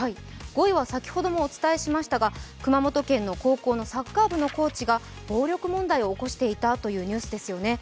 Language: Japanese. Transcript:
５位は先ほどもお伝えしましたが、熊本県の高校のサッカー部のコーチが暴力問題を起こしていたというニュースです。